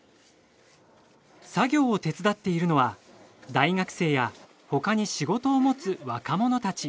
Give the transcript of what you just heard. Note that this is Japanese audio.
作業を手伝っているのは大学生や他に仕事を持つ若者たち。